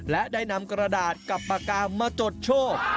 และได้นำกระดาษกับปากกามาจดโชค